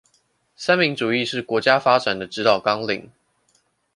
三民主義是國家發展的指導綱領